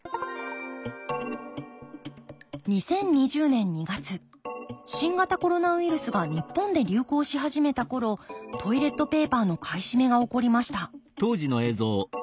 ２０２０年２月新型コロナウイルスが日本で流行し始めた頃トイレットペーパーの買い占めが起こりました